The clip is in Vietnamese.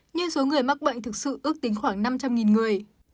nhưng số người mắc bệnh thực sự ước tính khoảng năm trăm linh người